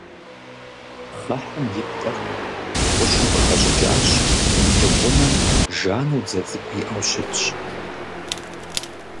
Пхъэхым и пкъыр гъущӏым къыхэщӏыкӏащ, и гъунэм жану дзэ цӏыкӏу иӏэу щытщ.